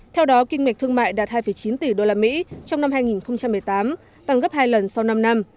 theo đó kinh mệch thương mại đạt hai chín tỷ usd trong năm hai nghìn một mươi tám tăng gấp hai lần sau năm năm